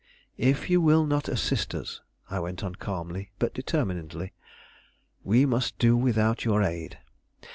"If you will not assist us," I went on calmly, but determinedly, "we must do without your aid.